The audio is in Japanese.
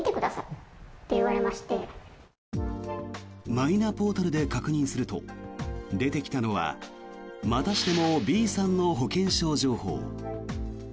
マイナポータルで確認すると出てきたのはまたしてもＢさんの保険証情報。